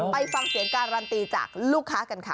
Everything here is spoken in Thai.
ไปฟังเสียงการันตีจากลูกค้ากันค่ะ